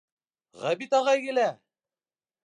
— Ғәбит ағай килә!..